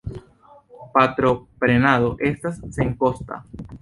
Patroprenado estas senkosta.